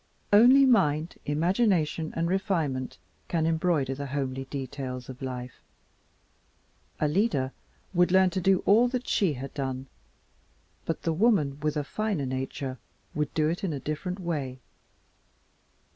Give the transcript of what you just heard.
Only mind, imagination, and refinement can embroider the homely details of life. Alida would learn to do all that she had done, but the woman with a finer nature would do it in a different way.